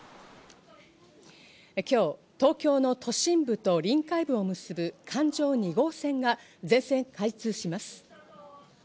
今日、東京の都心部と臨海部を結ぶ環状２号線が全線開通します。